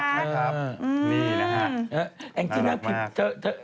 นี่แหละฮะน่ารักมาก